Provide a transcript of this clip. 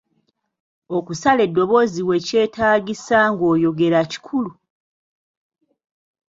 Okusala eddoboozi wekyetaagisa ng'oyogera kikulu.